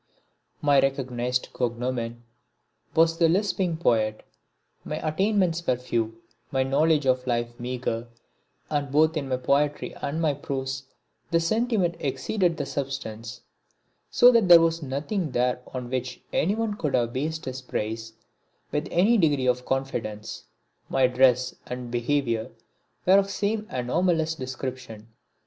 My recognised cognomen was the Lisping Poet. My attainments were few, my knowledge of life meagre, and both in my poetry and my prose the sentiment exceeded the substance. So that there was nothing there on which anyone could have based his praise with any degree of confidence. My dress and behaviour were of the same anomalous description.